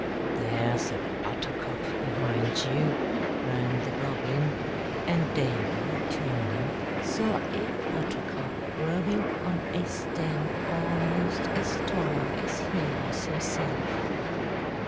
"There's a buttercup behind you," groaned the Goblin, and Davy, turning, saw a buttercup growing on a stem almost as tall as he was himself.